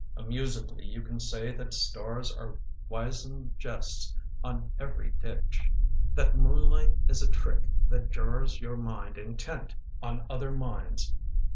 Amusedly, you can say that stars Are wizened jests on every ditch; That moon light is a trick that jars Your mind intent on other minds.